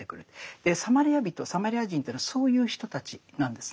サマリア人サマリア人というのはそういう人たちなんですね。